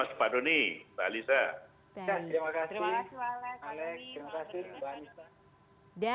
terima kasih mbak alex mbak alisa